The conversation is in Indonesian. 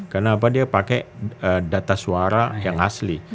karena dia pakai data suara yang asli